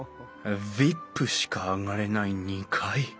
ＶＩＰしか上がれない２階